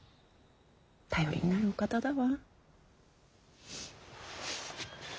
頼りになるお方だわ。